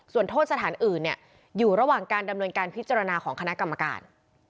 ส่วนโทษสถานอื่นอยู่ระหว่างการดำเนินการพิจารณาของคณะกรรมการ